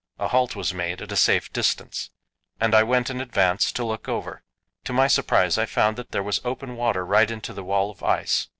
A halt was made at a safe distance, and I went in advance to look over. To my surprise I found that there was open water right in to the wall of ice.